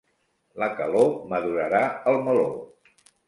La calor madurarà el meló.